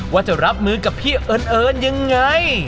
ว่าจะรับมือกับพี่เอิ้นเอิ้นยังไง